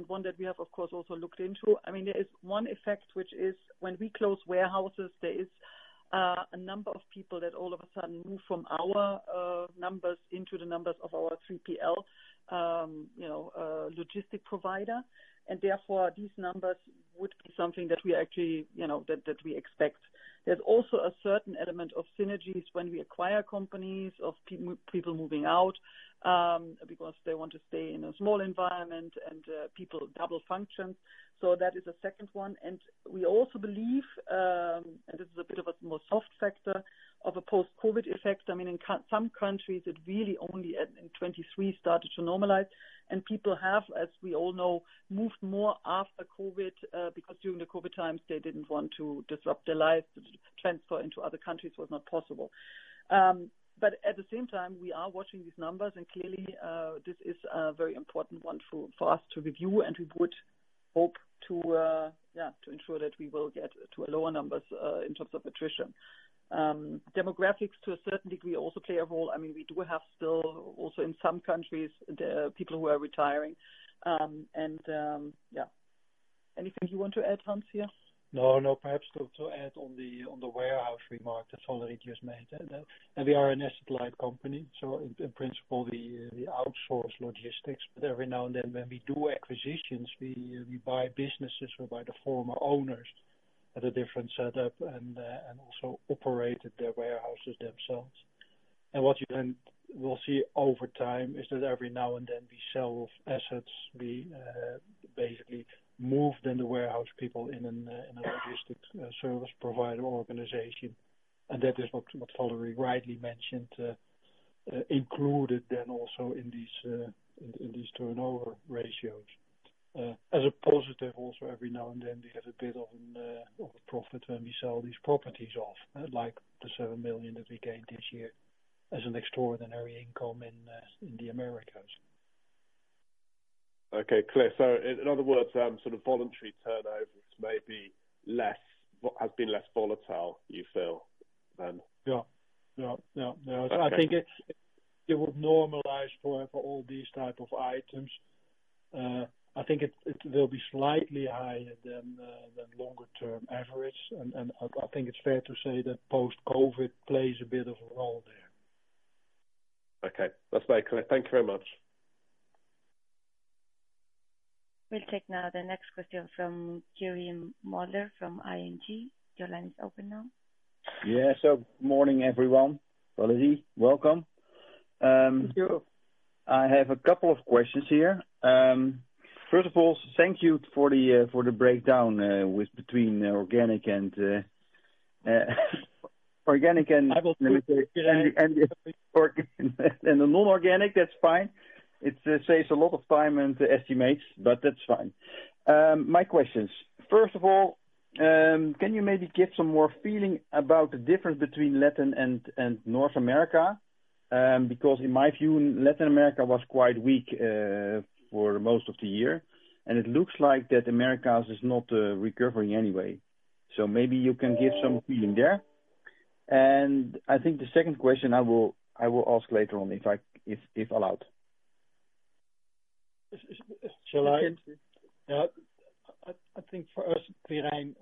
One that we have, of course, also looked into. I mean, there is one effect, which is when we close warehouses, there is a number of people that all of a sudden move from our numbers into the numbers of our 3PL logistic provider. And therefore, these numbers would be something that we actually expect. There's also a certain element of synergies when we acquire companies, of people moving out because they want to stay in a small environment and people double functions. So that is a second one. We also believe - and this is a bit of a more soft factor - of a post-COVID effect. I mean, in some countries, it really only in 2023 started to normalize. People have, as we all know, moved more after COVID because during the COVID times, they didn't want to disrupt their lives. The transfer into other countries was not possible. But at the same time, we are watching these numbers. Clearly, this is a very important one for us to review. We would hope to, yeah, to ensure that we will get to lower numbers in terms of attrition. Demographics, to a certain degree, also play a role. I mean, we do have still also in some countries, people who are retiring. Yeah. Anything you want to add, Hans, here? No. No. Perhaps to add on the warehouse remark that Valerie just made. And we are an asset-light company. So in principle, we outsource logistics. But every now and then, when we do acquisitions, we buy businesses whereby the former owners had a different setup and also operated their warehouses themselves. And what you then will see over time is that every now and then, we sell off assets. We basically move then the warehouse people into a logistics service provider organization. And that is what Valerie rightly mentioned, included then also in these turnover ratios. As a positive, also, every now and then, we have a bit of a profit when we sell these properties off, like the 7 million that we gained this year as an extraordinary income in the Americas. Okay. Clear. So in other words, sort of voluntary turnover is maybe less what has been less volatile, you feel, than. Yeah. Yeah. Yeah. Yeah. I think it would normalize for all these type of items. I think it will be slightly higher than longer-term average. I think it's fair to say that post-COVID plays a bit of a role there. Okay. That's very clear. Thank you very much. We'll take now the next question from Jurrien Moller from ING. Your line is open now. Yeah. Morning, everyone. Valerie, welcome. Thank you. I have a couple of questions here. First of all, thank you for the breakdown between organic and. I will. The non-organic. That's fine. It saves a lot of time and estimates, but that's fine. My questions. First of all, can you maybe give some more feeling about the difference between Latin America and North America? Because in my view, Latin America was quite weak for most of the year. It looks like America is not recovering anyway. So maybe you can give some feeling there. I think the second question, I will ask later on if allowed. Shall I? You can. Yeah. I think for us, Quirijn,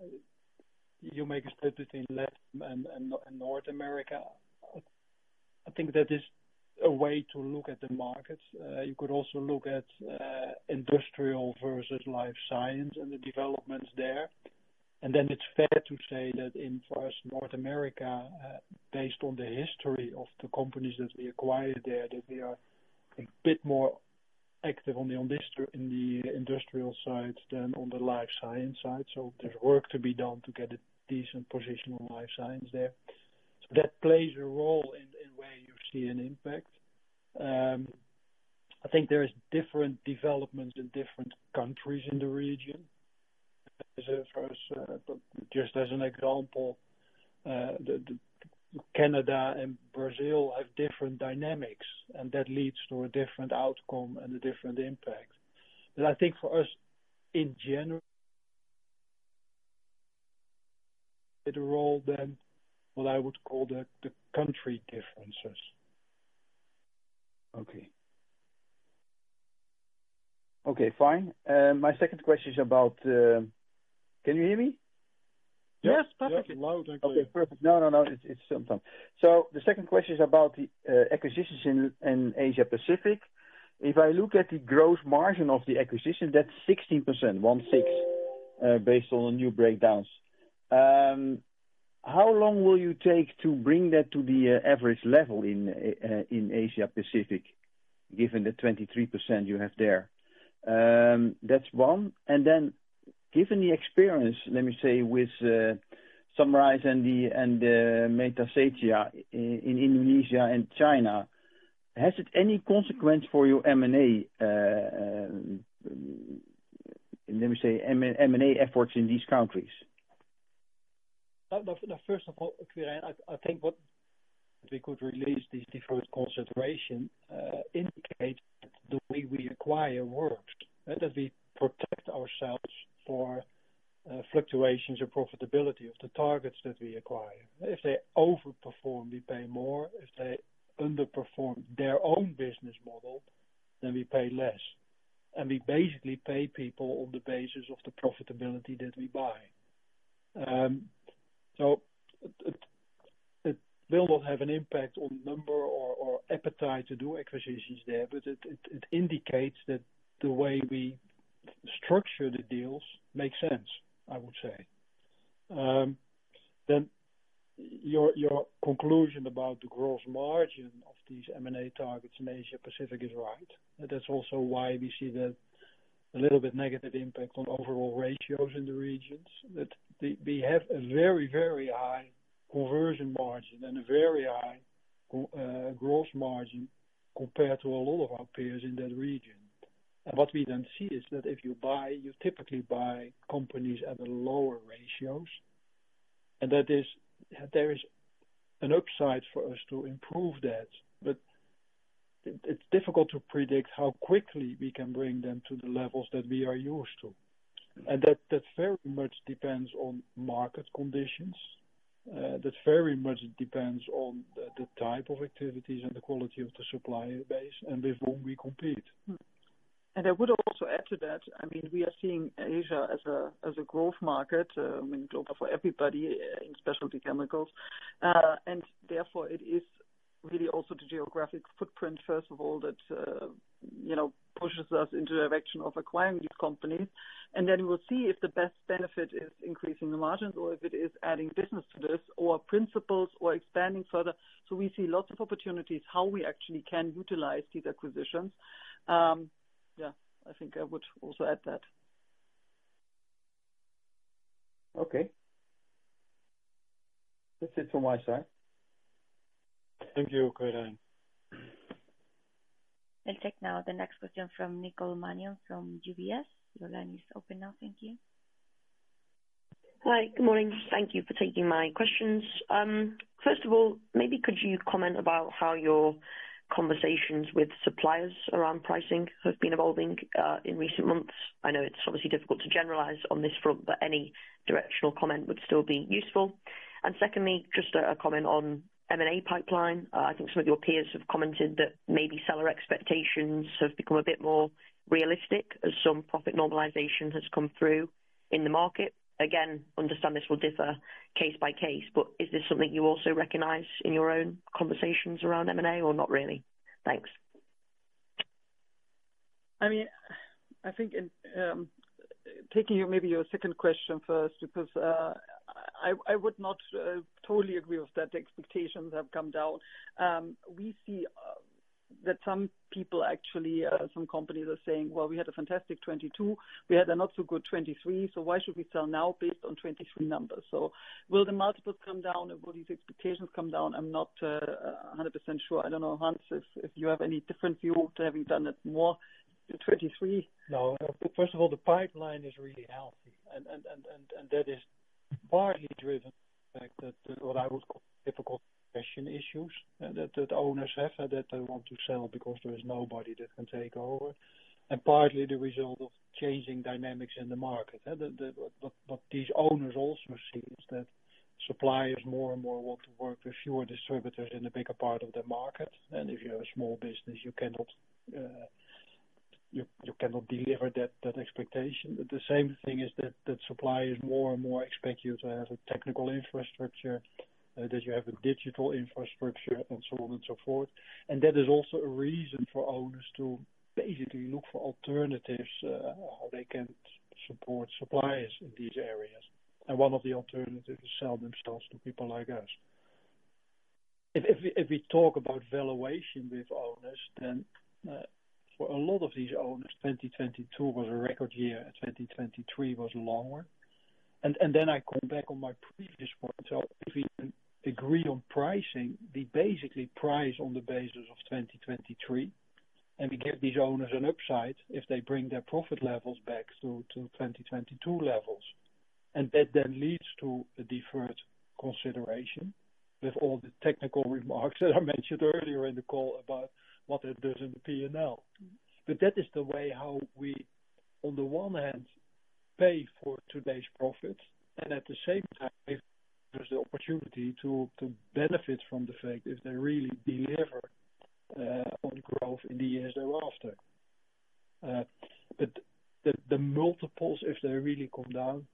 you make a step between Latin and North America. I think that is a way to look at the markets. You could also look at industrial versus life science and the developments there. And then it's fair to say that for us, North America, based on the history of the companies that we acquired there, that we are a bit more active on the industrial side than on the life science side. So there's work to be done to get a decent position on life science there. So that plays a role in where you see an impact. I think there are different developments in different countries in the region. Just as an example, Canada and Brazil have different dynamics. And that leads to a different outcome and a different impact. I think for us, in general, it played a role than what I would call the country differences. Okay. Okay. Fine. My second question is about can you hear me? Yes. Perfect. Yes. Loud and clear. Okay. Perfect. No, no, no. It's still in time. So the second question is about the acquisitions in Asia-Pacific. If I look at the gross margin of the acquisition, that's 16%, 1/6, based on the new breakdowns. How long will you take to bring that to the average level in Asia-Pacific, given the 23% you have there? That's one. And then given the experience, let me say, with Sunrise and the Megasetia in Indonesia and China, has it any consequence for your M&A? Let me say, M&A efforts in these countries. First of all, Kiran, I think what we could release, this deferred consideration, indicates that the way we acquire works, that we protect ourselves for fluctuations of profitability of the targets that we acquire. If they overperform, we pay more. If they underperform their own business model, then we pay less. And we basically pay people on the basis of the profitability that we buy. So it will not have an impact on number or appetite to do acquisitions there. But it indicates that the way we structure the deals makes sense, I would say. Then your conclusion about the gross margin of these M&A targets in Asia-Pacific is right. That's also why we see that a little bit negative impact on overall ratios in the regions. We have a very, very high conversion margin and a very high gross margin compared to a lot of our peers in that region. What we then see is that if you buy, you typically buy companies at a lower ratios. There is an upside for us to improve that. But it's difficult to predict how quickly we can bring them to the levels that we are used to. That very much depends on market conditions. That very much depends on the type of activities and the quality of the supplier base and with whom we compete. I would also add to that. I mean, we are seeing Asia as a growth market. I mean, global for everybody in specialty chemicals. Therefore, it is really also the geographic footprint, first of all, that pushes us in the direction of acquiring these companies. And then we'll see if the best benefit is increasing the margins or if it is adding business to this or principals or expanding further. So we see lots of opportunities, how we actually can utilize these acquisitions. Yeah. I think I would also add that. Okay. That's it from my side. Thank you, Viren. We'll take now the next question from Nicole Sheridan from UBS. Your line is open now. Thank you. Hi. Good morning. Thank you for taking my questions. First of all, maybe could you comment about how your conversations with suppliers around pricing have been evolving in recent months? I know it's obviously difficult to generalize on this front, but any directional comment would still be useful. And secondly, just a comment on M&A pipeline. I think some of your peers have commented that maybe seller expectations have become a bit more realistic as some profit normalization has come through in the market. Again, understand this will differ case by case. But is this something you also recognize in your own conversations around M&A or not really? Thanks. I mean, I think taking maybe your second question first because I would not totally agree with that, the expectations have come down. We see that some people actually, some companies are saying, "Well, we had a fantastic 2022. We had a not-so-good 2023. So why should we sell now based on 2023 numbers?" So will the multiples come down and will these expectations come down? I'm not 100% sure. I don't know, Hans, if you have any different view to having done it more in 2023. No, first of all, the pipeline is really healthy. That is partly driven by what I would call difficult acquisition issues that owners have that they want to sell because there is nobody that can take over and partly the result of changing dynamics in the market. What these owners also see is that suppliers more and more want to work with fewer distributors in a bigger part of the market. If you have a small business, you cannot deliver that expectation. The same thing is that suppliers more and more expect you to have a technical infrastructure, that you have a digital infrastructure, and so on and so forth. That is also a reason for owners to basically look for alternatives, how they can support suppliers in these areas. One of the alternatives is sell themselves to people like us. If we talk about valuation with owners, then for a lot of these owners, 2022 was a record year. 2023 was longer. And then I come back on my previous point. So if we agree on pricing, we basically price on the basis of 2023. And we give these owners an upside if they bring their profit levels back to 2022 levels. And that then leads to a deferred consideration with all the technical remarks that I mentioned earlier in the call about what it does in the P&L. But that is the way how we, on the one hand, pay for today's profits. And at the same time, there's the opportunity to benefit from the fact if they really deliver on growth in the years thereafter. But the multiples, if they really come down,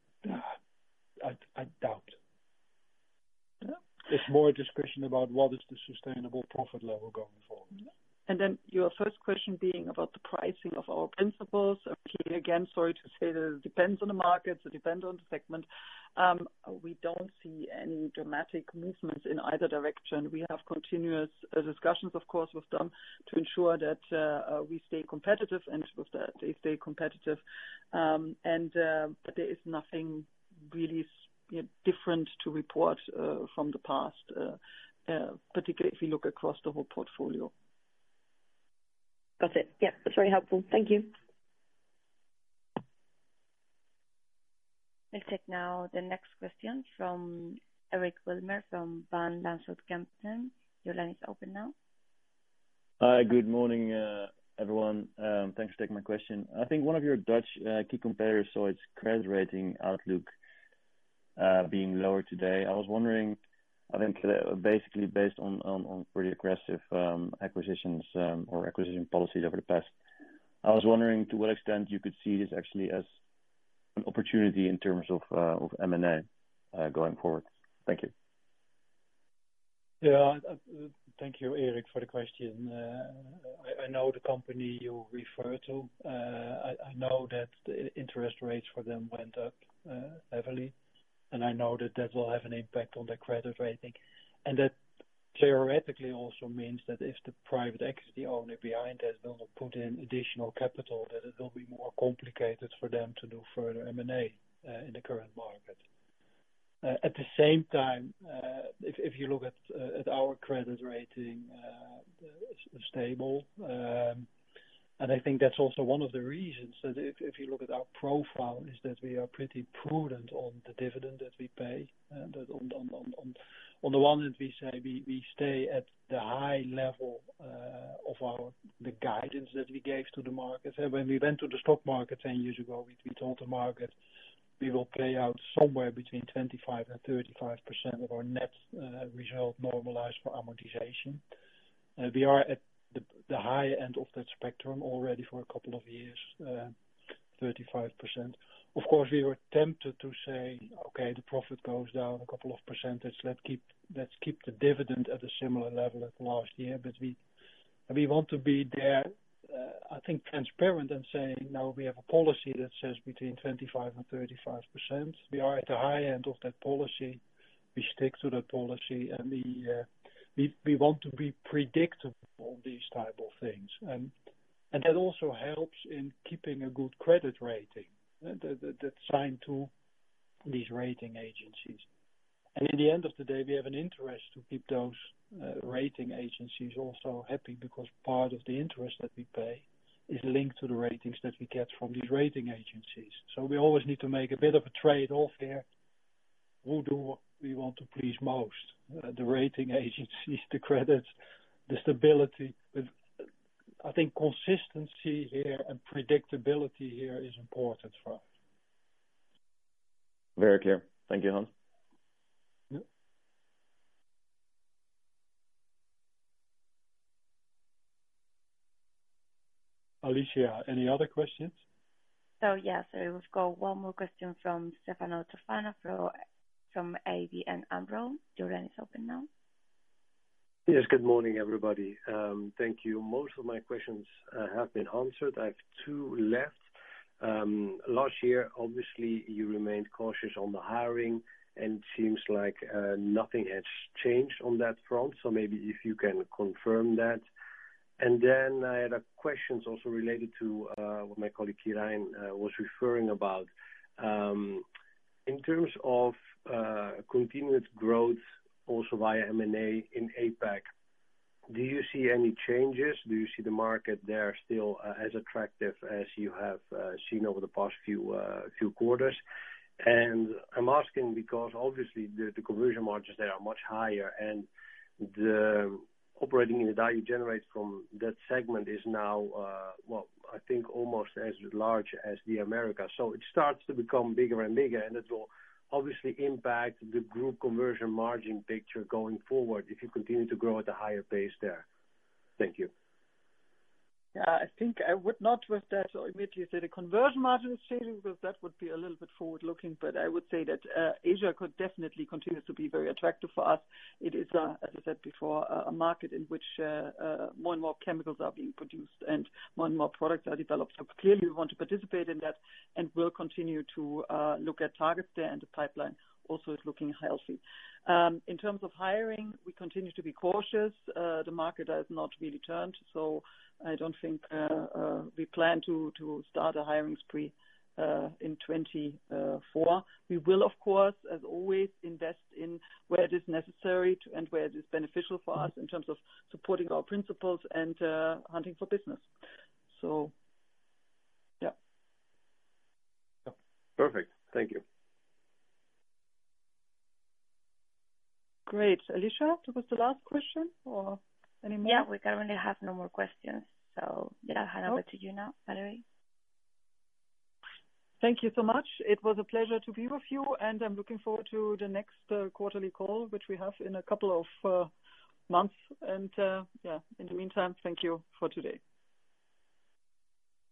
I doubt. It's more a discussion about what is the sustainable profit level going forward. Then your first question being about the pricing of our principals. Again, sorry to say that it depends on the markets. It depends on the segment. We don't see any dramatic movements in either direction. We have continuous discussions, of course, with them to ensure that we stay competitive and with that, they stay competitive. And there is nothing really different to report from the past, particularly if we look across the whole portfolio. Got it. Yeah. That's very helpful. Thank you. We'll take now the next question from Eric Wilmer from Van Lanschot Kempen. Your line is open now. Hi. Good morning, everyone. Thanks for taking my question. I think one of your Dutch key competitors, so its credit rating outlook being lower today. I was wondering, I think basically based on pretty aggressive acquisitions or acquisition policies over the past, I was wondering to what extent you could see this actually as an opportunity in terms of M&A going forward. Thank you. Yeah. Thank you, Eric, for the question. I know the company you refer to. I know that the interest rates for them went up heavily. And I know that that will have an impact on their credit rating. And that theoretically also means that if the private equity owner behind that will not put in additional capital, that it will be more complicated for them to do further M&A in the current market. At the same time, if you look at our credit rating, it's stable. And I think that's also one of the reasons that if you look at our profile, is that we are pretty prudent on the dividend that we pay. On the one hand, we say we stay at the high level of the guidance that we gave to the markets. When we went to the stock market 10 years ago, we told the market, "We will pay out somewhere between 25% and 35% of our net result normalized for amortization." We are at the high end of that spectrum already for a couple of years, 35%. Of course, we were tempted to say, "Okay, the profit goes down a couple of percentage. Let's keep the dividend at a similar level as last year." But we want to be there, I think, transparent and saying, "No, we have a policy that says between 25% and 35%." We are at the high end of that policy. We stick to that policy. And we want to be predictable on these type of things. And that also helps in keeping a good credit rating that's signed to these rating agencies. In the end of the day, we have an interest to keep those rating agencies also happy because part of the interest that we pay is linked to the ratings that we get from these rating agencies. We always need to make a bit of a trade-off here. Who do we want to please most? The rating agencies, the credits, the stability. I think consistency here and predictability here is important for us. Very clear. Thank you, Hans. Alicia, any other questions? So yes. There will go one more question from Stefano Toffano from ABN AMRO. Your line is open now. Yes. Good morning, everybody. Thank you. Most of my questions have been answered. I have two left. Last year, obviously, you remained cautious on the hiring. It seems like nothing has changed on that front. So maybe if you can confirm that. Then I had questions also related to what my colleague Kiran was referring about. In terms of continuous growth also via M&A in APAC, do you see any changes? Do you see the market there still as attractive as you have seen over the past few quarters? I'm asking because, obviously, the conversion margins there are much higher. The operating in the value generated from that segment is now, well, I think, almost as large as the Americas. It starts to become bigger and bigger. It will obviously impact the group conversion margin picture going forward if you continue to grow at a higher pace there. Thank you. Yeah. I think I would not with that immediately say the conversion margin is changing because that would be a little bit forward-looking. But I would say that Asia could definitely continue to be very attractive for us. It is, as I said before, a market in which more and more chemicals are being produced and more and more products are developed. So clearly, we want to participate in that and will continue to look at targets there and the pipeline also is looking healthy. In terms of hiring, we continue to be cautious. The market has not really turned. So I don't think we plan to start a hiring spree in 2024. We will, of course, as always, invest in where it is necessary and where it is beneficial for us in terms of supporting our principals and hunting for business. So yeah. Perfect. Thank you. Great. Alicia, that was the last question or any more? Yeah. We currently have no more questions. So yeah, I'll hand over to you now, Valerie. Thank you so much. It was a pleasure to be with you. I'm looking forward to the next quarterly call, which we have in a couple of months. Yeah, in the meantime, thank you for today.